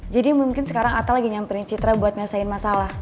jadi mungkin sekarang atta lagi nyamperin citra buat nyelesain masalah